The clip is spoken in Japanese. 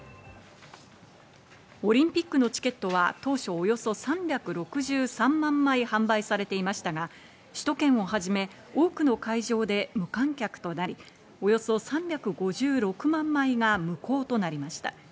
オリンピックのチケットは当初およそ３６３万枚販売されていましたが、首都圏をはじめ多くの会場で無観客となり、およそ３５６万枚が無効となりました。